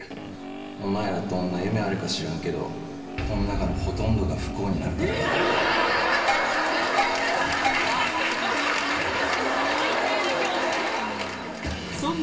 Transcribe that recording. お前ら、どんな夢あるか知らんけど、こん中のほとんどが不幸になるからな。